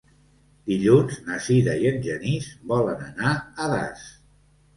Dilluns na Sira i en Genís volen anar a Das.